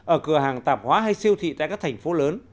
ở cửa hàng tạp hóa hay siêu thị tại các thành phố lớn